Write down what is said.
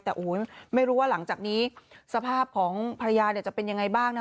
แต่ไม่รู้ว่าหลังจากนี้สภาพของภรรยาจะเป็นยังไงบ้างนะ